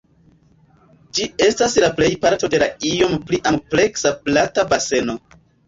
Ĝi estas la plej parto de la iom pli ampleksa Plata Baseno.